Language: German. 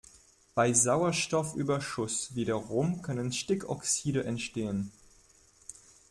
Bei Sauerstoffüberschuss wiederum können Stickoxide entstehen.